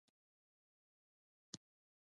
بزگر غواوې ساتي.